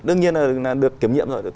đương nhiên là được kiểm nhiệm rồi